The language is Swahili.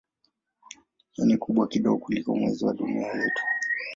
Hii ni kubwa kidogo kuliko Mwezi wa Dunia yetu.